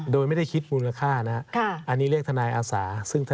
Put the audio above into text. โดยไม่ได้คิดมูลค่านะครับอันนี้เรียกทนายอาสา